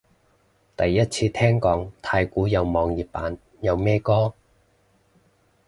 第一次聽講太鼓有網頁版，有咩歌？